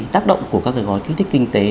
tác động của các gói kinh tế